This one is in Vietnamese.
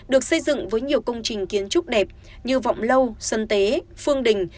được xây dựng với nhiều công trình kiến trúc đẹp như vọng lâu xuân tế phương đình